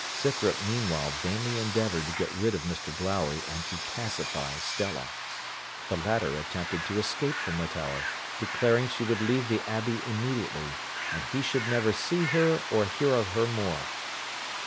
Scythrop meanwhile vainly endeavoured to get rid of Mr Glowry and to pacify Stella. The latter attempted to escape from the tower, declaring she would leave the abbey immediately, and he should never see her or hear of her more.